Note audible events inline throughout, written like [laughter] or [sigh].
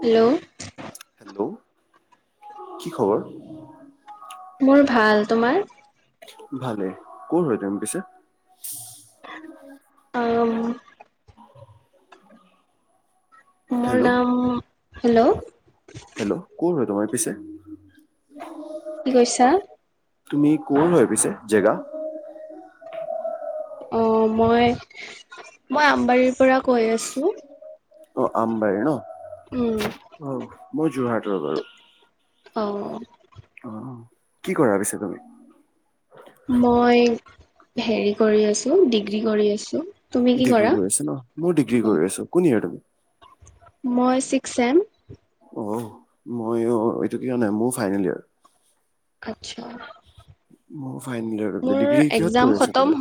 Hello hello কি খবৰ মোৰ ভাল তোমাৰ ভালে কত হয় তম পিছো উম মোৰ হেল্ল' নাম হেল্ল' হেল্ল' কোন হয় তোমাৰ পিছে কি কৈছা তুমি কৰ হয় পিছে জেগা অ মই মই আম্বাৰীৰ পৰা কৈ আছো অ আম্বাই ন উম অ মই যোৰহাটৰ বাৰু অঁ অ' কি কৰা পিছে তুমি মই হেৰি কৰি আছো ডিগ্ৰী কৰি আছো তুমি কি ডিগ্ৰী কৰা কৰি আছো ন মই ডিগ্ৰী কৰি আছো কোন ইয়েৰৰ তুমি মই ছিক্স চেম অঁ মই অ এইটো ক নাই মোৰ ফাইনেল ইয়াৰ। আচ্ছা অ ফাইনেল হয় । মোৰ ডিগ্ৰী কিহত এক্জাম কৰি আছা খতম তুমি?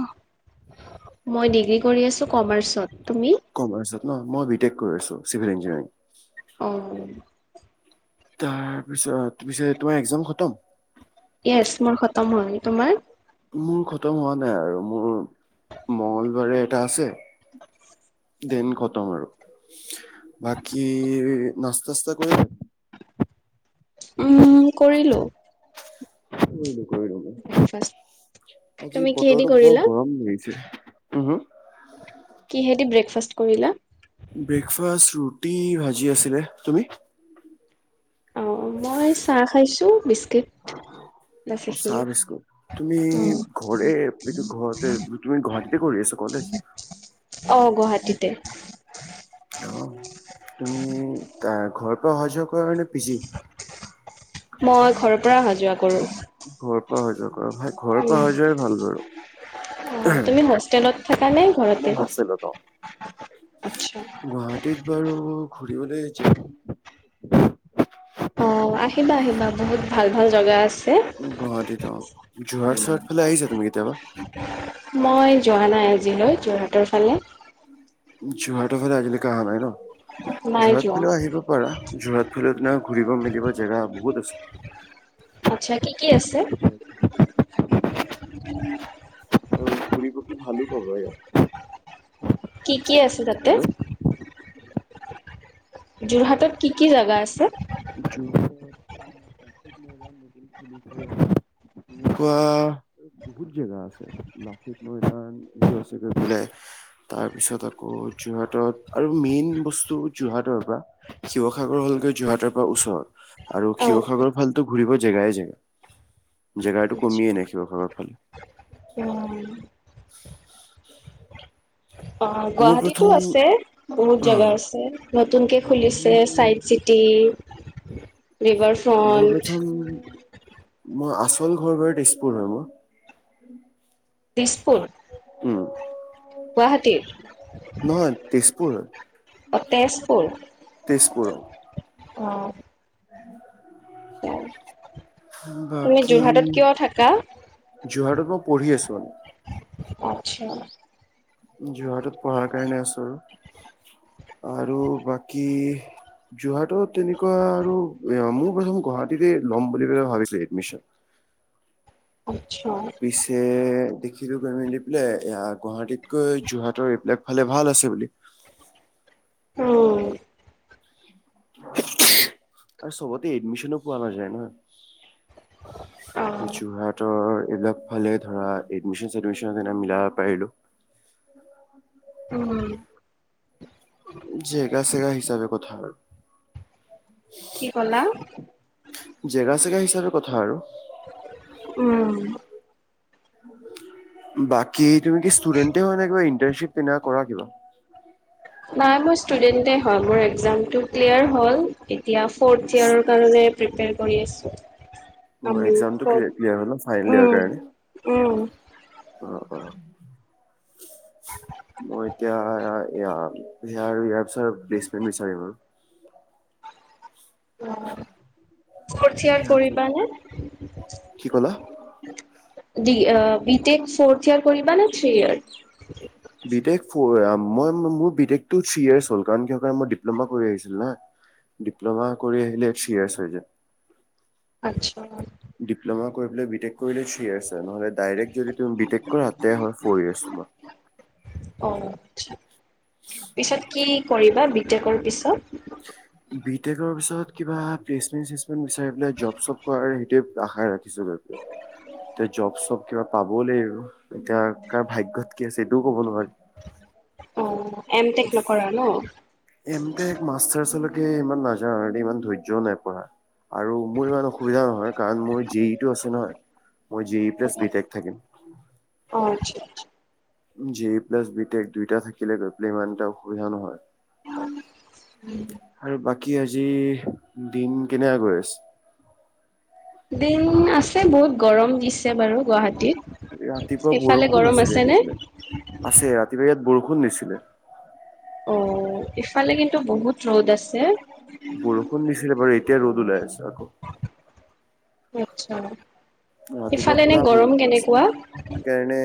মই ডিগ্ৰী কৰি আছোঁ কমাৰ্চত। তুমি? কমাৰ্চত ন মই বিটেক কৰি আছোঁ চিভিল ইঞ্জিনিয়াৰিং। উম। তাৰ পিছত ।পিছে তোমাৰ একজাম খতম। য়েচ, মোৰ খতম হ'ল। তোমাৰ? মোৰ খতম হোৱা নাই আৰু মোৰ মঙ্গলবাৰে এটা আছে। দেন খতম। আৰু বাকী নাস্তা-চাস্তা কৰিলা? উম, কৰিলোঁ। [inaudible] আজি তুমি কিহেদি বতৰটো বৰ কৰিলা গৰম হৈছে। উহুঁ কিহেদি ব্ৰেকফাষ্ট কৰিলা? ব্ৰেকফাষ্ট? ৰুটি-ভাজি আছিলে। তুমি? অ', মই চাহ খাইছোঁ। Bisque scoot. বাছ, অ চাহ এইখিনিয়েই। বিস্কুট তুমি ঘৰে এইটো ঘৰতে তুমি গুৱাহাটীতে কৰি আছা কলেজ অ', অ', গুৱাহাটীতে। অ'। তুমি [unintelligible] ঘৰত [unintelligible] যোগ মই, মানে, বিজি মই ঘৰৰ পৰা আহা-যোৱা কৰোঁ। ঘৰ পৰা আহা-যোৱা ভাই, ঘৰৰ পৰা আহা-যোৱাই ভাল বাৰু। তুমি হোষ্টেলত থাকা নে ঘৰতে? মই [unintelligible] গুৱাহাটীত আচ্ছা। বাৰু বিহুলে [unintelligible] অ', আহিবা, আহিবা। বহুত ভাল-ভাল জগা আছে। গুৱাহাটীত অ যোৰহাট চহাট ফালে আহিছা তুমি কেতিয়াবা? মই যোৱা নাই আজিলৈ যোৰহাটৰ ফালে। যহটো ফাল আজিলৈকে অহা নাই ন। নাই যোৰহাট যোৱা। ফালেও আহিব পাৰা যোৰহাট ফালে দিনা ঘুৰিব মেলিব জেগা বহুত আচ্ছা কি কি আছে। [unintelligible] কৰিব কি ভালো ক [unintelligible] কি কি আছে তাতে? যোৰহাটত কি কি জোগা আছে? [unintelligible] [unintelligible] কোআআ [unintelligible] [unintelligible] তাৰ পিছত আকৌ যোৰহাটত আৰু মেইন বস্তু যোৰহাটৰ পৰা শিৱসাগৰ হ'লগে যোৰহাটৰ পৰা বা ওচৰত আৰু শিৱসাগৰ অ' ফালটো ঘূৰিব জেগাই জেগা জেগাটো কমিয়েই নাই আচ্ছা। শিৱসাগৰৰ ফালে [inaudible] অঁ মোৰ গুৱাহাটীতো প্ৰথম আছে বহুত অ জেগা আছে, নতুনকে খুলিছে মোৰ চাইট চিটি [inaudible] মোৰ ফ্ৰণ্ট প্ৰথম [inaudible] মোৰ আচল ঘৰ বাৰু তেজপুৰ হয় মোৰ দিছপুৰ উম গুৱাহাটীৰ নহয় তেজপুৰ অ হয়, তেজপুৰ তেজপুৰ অঁ অঁ তুমি বাকী যোৰহাটত কিয় থাকা? যোৰহাটত মই পঢ়ি আছোঁ অল আচ্ছা যোৰহাটত পঢ়াৰ কাৰণে আছো আৰু, আৰু বাকী যোৰহাটত তেনেকুৱা আৰু মোৰ প্ৰথম গুৱাহাটীতে লম বুলি পেনে ভাবিছো এডমিচন আচ্ছা পিছে দেখিলো [unintelligible] পেলাই গুৱাহাটীতকৈ যোৰহাটৰ এইবিলাক ফালে ভাল আছে বুলি উম আৰু চবতে এডমিচনো পোৱা নাযায় অ ন যোৰহাটৰ এইবিলাক ফালে ধৰা এডমিশ্চন চেডমিশ্চন এনে মিলাব পাৰিলো উম হুম জেগা চেগা হিচাপে কোথা আৰু কি ক'লা [inaudible] জেগা চেগা হিচাপে কথা আৰু উম বাকী তুমি কি ষ্টুডেন্টে এ হয় নে কিবা ইন্টাৰ্নচিপ তেনে কৰা কিবা নাই মোৰ ষ্টুডন্ট এ হয় মোৰ এক্সামটো ক্লেয়াৰ হ'ল এ এতিয়া ফৰ্থ ইয়াৰৰ কাৰণে প্ৰিপেয়াৰ ক কৰি আছোঁ অ আমি এক্সামটো ফ'ৰ্থ ক্লে ক্লেয়াৰ হল ন ফাইনেল ইয়াৰৰ উম কাৰণে, উম অঁ মই এতিয়া ইয়াৰ আৰু ইয়াৰ চ বেছে মি চাৰিবোৰ [unintelligible] কঠীয়া ইয়াৰ কৰিবা নে? বি কি ক'লা? টেক ফৰ্থ ইয়াৰ কৰিবা নে থি ইয়াৰ? বিদেশ ফুৰাম। মই মোৰ বি টেক টো থ্ৰি ইয়েৰচ হ'ল কাৰণ মই ডিপ্লমা কৰি আহিছো না। ডিপ্লমা কৰি আহিলে থ্ৰি ইয়েৰচ হয়। আচ্ছা ডিপ্ল'মা কৰি বিটেক কৰিলে থ্ৰি ইয়েৰচ হয়। নহলে ডাইৰেক্ট যদি তুমি বিটেক কৰা তে হয় ফৰ অ আচ্ছা ইয়াৰেচ। পিছত কি কৰিবা বিটেকৰ পিছত? বিতেকৰ পিছত কিবা [unintelligible] বিচাৰি পেলাই জব চব কৰাৰ সেইটোৱে আশা ৰাখিছো এতিয়া জব চব কিবা পাবও লাগিব, এতিয়া কাৰ ভাগ্যত কি আছে এইটোও ক'ব নোৱাৰি। অ', এম টেক নকৰা ন? এম টেক মাষ্টাৰ আচলকে ইমান নাজান ইমান ধৈৰ্যয়ো নাই পঢ়া। আৰু মোৰ ইমান অসুবিধা নহয়, কাৰণ মোৰ জে ই টো আছে নহয়। মই জি ই অ প্লাছ বি টেক থাকিম। আচ্ছা আচ্ছা। জে প্লাছ বি টেক দুইটা থাকিলে গৈ পেলাই ইমান এটা অসুবিধা নহয়। উম। কি আজি দিন কেনেকা আছে? দিন আছে বহুত গৰম দিছে বাৰু গুৱাহাটীত। ৰাতিপুৱা সেইফালে বৰষুণ গৰম আাছিলে আছে গৈ নে? পেলাই আছে ৰাতিপুৱা ইয়াত বৰ [unintelligible] অ', ইফালে কিন্তু বহুত ৰ'দ আছে। বৰষুণ দিছিলে বাৰু এতিয়া ৰ'দ ওলাই আছে আকৌ। আতছা। ৰাতিপুৱা পুৰা বৰষুণ আছিল, সেইকাৰণে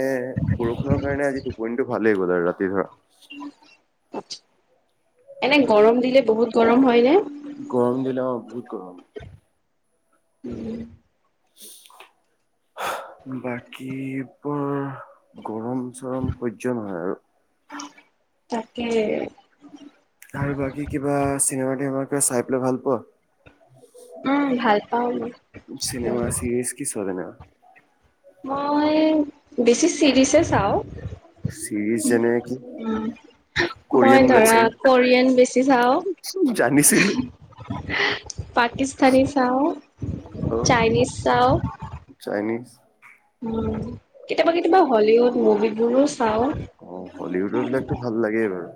বৰষুণৰ কাৰণে আজি টোপনিটো ভাল [unintelligible] গ'ল আৰু ৰাতি ধৰা। এনে গৰম দিলে বহুত গৰম হয় নে? গৰম দিলে অ', বহুত গৰম। উম। বাকী বৰ গৰম চৰম সহ্য নহয় আৰু। তাকে। আৰু বাকী কিবা চিনেমা তিনেমা চাই পেলাই ভাল পোৱা উম ভাল পাও মই চিনেমা চিৰিজ কি চোৱা তেনেকা? মই বেছি চিৰিছে চাওঁ চিৰিজ যেনে কি কোৰিয়ান মই বিলাক ধৰা কোৰিয়ন বেছি চাওঁ, চাগে? জানিছিলো পাকিস্তানী চাওঁ, অ চাইনিজ চাওঁ চাইনিজ। উম কেতিয়াবা-কেতিয়াবা হলিউড মুভিবোৰো চাওঁ। অ হলিউডৰ বিলাকটো ভাল লাগেই বাৰু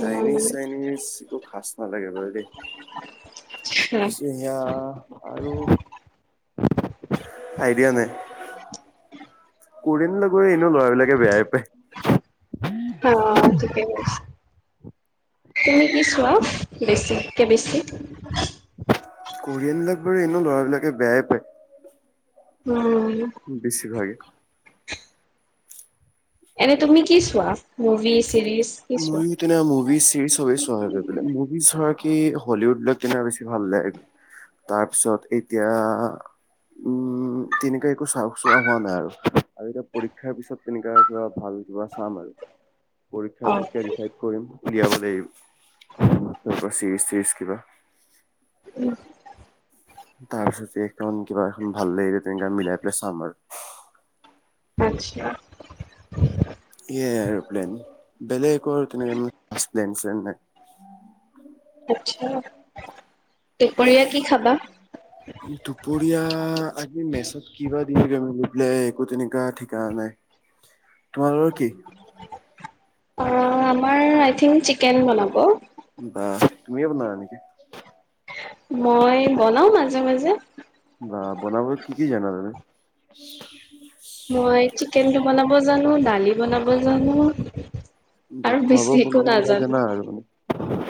চাইনিজ উম, চাইনিজ [unintelligible] কিছু সেয়া আৰু আইডিয়া নাই। কোৰিয়াৰ লৈ গৈ এনেও লৰাবিলাকে বেয়াই পাই অ ঠিকেই তুমি কি চোৱা বেছি কে বেছি [unintelligible] এনেও ল'ৰাবিলাকে বেয়াই পায়। উম বেছিভাগে এনে তুমি কি চোৱা মুভি চিৰিজ কি চোৱা? ময়ো তেনে মুভিচ চিৰিচ সবেই চোৱা হৈ গৈ [unintelligible] মুভি [unintelligible] কি হলিউডবিলাক [unintelligible] বেছি ভাল লাগে, তাৰপিছত এতিয়া, উম তেনেকোৱাই [unintelligible] চোৱা হোৱা নাই আৰু, আৰু এতিয়া পৰীক্ষাৰ পিছত তেনেকোৱা কিবা ভাল কিবা চাম আৰু [unintelligible] অ' তাৰপিছত ফাইড কৰিম। উলিয়াব লাগিব [inaudible] তেনেকোৱা চিৰিজ-চিৰিজ কিবা। উম [unintelligible] তাৰপিছত একৰাউণ্ড কিবা এখন ভাল লাগিলে [unintelligible] মিলাই [unintelligible] চাম আৰু [inaudible] [unintelligible] কি য়ে আৰু প্লেন, বেলেগ একো আৰু তেনে ন প্লেন-শ্লেন নাই। [unintelligible] কি খাবা? দুপৰীয়া আত- ই মেচত কি বা [unintelligible] ৰিপ্লাই একো তেনেকা ঠিকাহ নাই, তোমালোকৰ কি? অহ ', আমাৰ আই থি তিল চিকেন বনাব বা তুমিয়ে বনোৱা নেকি? মই বনাও মাজে-মাজে [unintelligible] বা, বনাবলৈ কি- কি জানা তুমি? [inaudible] মই চিকেনটো বনাম বনাব জানো দালি বনাব জানো বা আৰু খোৱা বেছি বোৱা একো বনোৱা বিলাক নাজানো। জানা আৰু মানে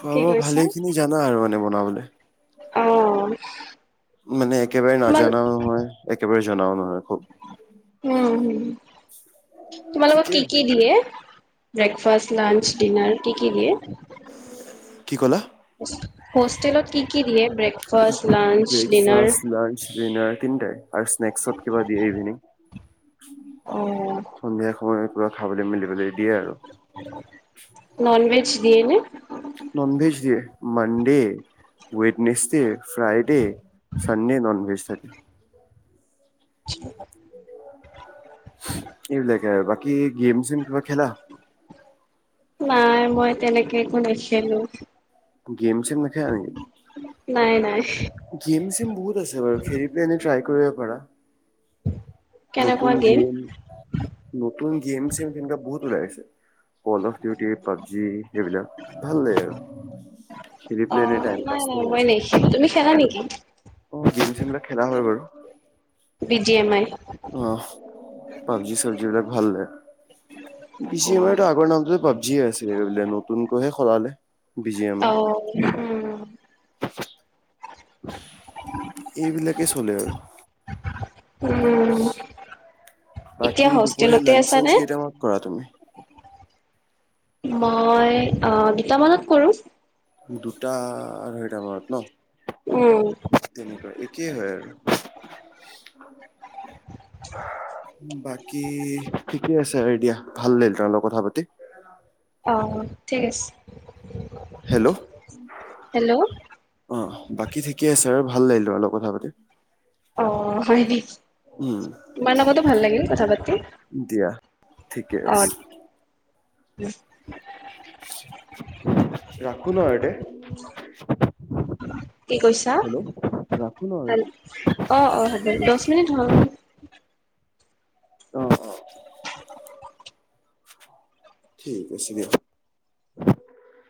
খোৱা কি বোৱা কৈছা? ভালে খিনি জানা আৰু মানে বনাবলৈ অ মানে একেবাৰে তোমাল নাজানাও নহয় একেবাৰে জনাও নহয় খুব উম হম [unintelligible] তোমালোক‌ ঠিকে কি কি দিয়ে যাক ফাঁচ লাঞ্চ ডিনাৰ কি কি দিয়ে কি ক'লা হোষ্টেলত কি কি দিয়ে ব্ৰেক ব্ৰেকফাচ লাঞ্চ ডিনাৰ তিনিটাই আৰু স্নেকসত কিবা দিয়ে ইভিনিং উ উম খাবলৈ মিলি ননভেজ দিয়ে নে ননভেজ দিয়ে Monday Wednesday Friday Sunday non-veg থাকে [unintelligible] এইবিলাকে বাকী গেম চম কিবা খেলা? নাই মই তেনেকে একো নেখেলো। গেম চেম নেখালা নেকি? নাই নাই। গেম চেম বহুত আছে বাৰু [unintelligible] টিয়াই কৰিব পাৰা? নতুন গেম নতুন গেম চেম তেনে বহুত ওলাইছে কল অফ ডিউটি, পাবজি এইবিলাক ভাল লাগে আৰু অহ অহ নাই নাই মই নেখিলো তুমি খেলা নেকি? অহ গেম চেম বিলাক খেলা হয় বাৰু। B G M I? অহ পাবজি চাবজি এই বিলাক ভাল লাগে বি জি এমাইৰ আগৰ নামটো পাবজি আছিল নতুনকৈহে সলালে। বি জি এম আই অহ উম এইবিলাকেই চলে আৰু উম এতিয়া বাকী দুপৰীয়া হোষ্টেলতে লাঞ্চ আছানে? চাঞ্চ কেইটামানত কৰা তুমি? মই অহ দুটামানত কৰো। দুটা আঢ়ৈটামানত নহ উম, তেনেকুৱা ই একেই হয় আৰু বাকী ঠিকে আছে, দিয়া ভাল লাগিল তোমাৰ লগত কথা পাতি। অহ ঠিক আছে। হেল্ল' হেল্ল' অহ বাকী ঠিকে আছে আৰু ভাল লাগিল তোমাৰ লগত কথা পাতি অহ হয় নেকি, উম তোমাৰ লগতো ভাল লাগিল কথা পাতি। দিয়া। ঠিকে আছে। উম [unintelligible] ন আৰু তে কি কৈছা হেল্ল' ৰাখো ন আৰু তে অহ অহ হব দহ মিনিট হ'ল। অহ অহ ঠিক আছে দিয়া।